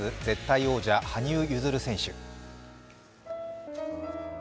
絶対王者、羽生結弦選手。